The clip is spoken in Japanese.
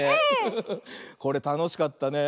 これたのしかったねえ。